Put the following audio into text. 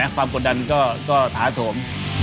ความกดดันก็ถาโถม